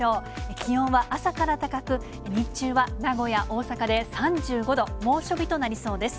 気温は朝から高く、日中は名古屋、大阪で３５度、猛暑日となりそうです。